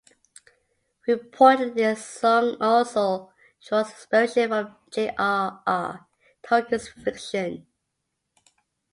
Reportedly, the song also draws its inspiration from J. R. R. Tolkien's fiction.